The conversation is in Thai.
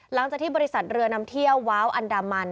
หลังจากที่บริษัทเรือนำเที่ยวว้าวอันดามัน